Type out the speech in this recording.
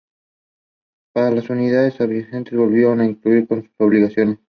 Pero las unidades adyacentes volvieron a incumplir con sus obligaciones.